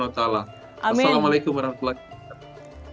assalamualaikum warahmatullahi wabarakatuh